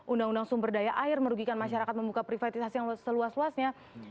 undang undang sumber daya air merugikan masyarakat membuka privatisasi yang seluas luasnya